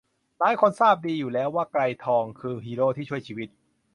หลายคนทราบดีอยู่แล้วว่าไกรทองคือฮีโร่ที่ช่วยชีวิต